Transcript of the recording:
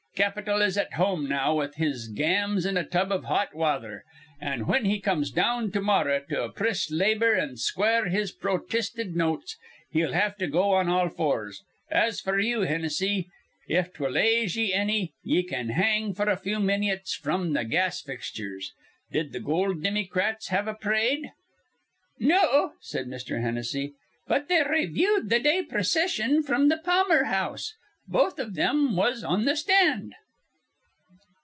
Capital is at home now with his gams in a tub iv hot wather; an' whin he comes down to morrah to oppriss labor an' square his protisted notes, he'll have to go on all fours. As f'r you, Hinnissy, if 'twill aise ye anny, ye can hang f'r a few minyits fr'm th' gas fixtures. Did th' goold Dimmycrats have a p'rade?" "No," said Mr. Hennessy. "But they rayviewed th' day procission fr'm th' Pammer House. Both iv thim was on th' stand."